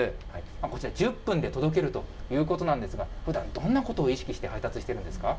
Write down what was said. こちら、１０分で届けるということなんですが、ふだん、どんなことを意識して配達しているんです